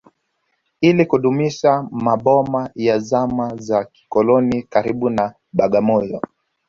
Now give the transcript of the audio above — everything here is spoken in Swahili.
Ili kudumisha maboma ya zama za kikoloni karibu na Bagamoyo